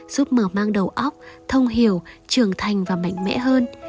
giúp mở mang đầu óc thông hiểu trưởng thành và mạnh mẽ hơn